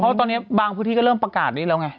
เพราะตอนนี้บางพื้นที่ก็เริ่มประกาศนี้แล้วไง